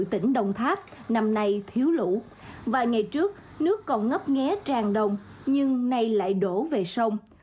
tỉnh đồng tháp năm nay thiếu lũ vài ngày trước nước còn ngấp nghé tràn đồng nhưng nay lại đổ về sông